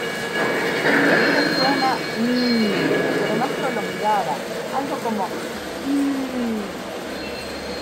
Este suena "n" pero más prolongada, algo como "hn".